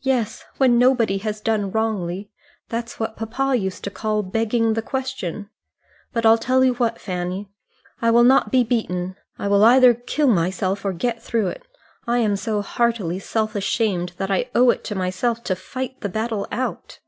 "Yes, when nobody has done wrongly. That's what papa used to call begging the question. But I'll tell you what, Fanny; I will not be beaten. I will either kill myself or get through it. I am so heartily self ashamed that I owe it to myself to fight the battle out."